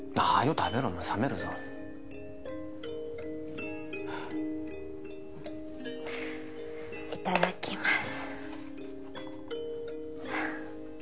食べろ冷めるぞいただきます